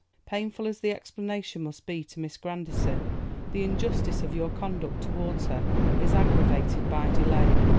Painful as the explanation must be to Miss Grandison, the injustice of your conduct towards her is aggravated by delay.